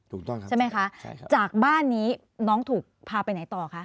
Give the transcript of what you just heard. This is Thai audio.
ถูกต้องครับใช่ไหมคะจากบ้านนี้น้องถูกพาไปไหนต่อคะ